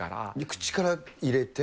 口から入れて？